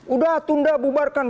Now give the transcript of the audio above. udah tunda bubarkan